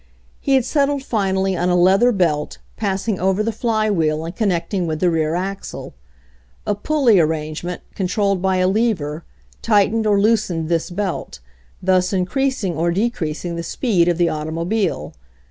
He had settled finally on a leather belt, pass ing over the flywheel and connecting with the rear axle. A pulley arrangement, controlled by a lever, tightened or loosened this belt, thus in creasing or decreasing the speed of the automo bile.